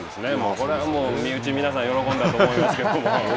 これは身内の皆さん喜んだと思いますけれども。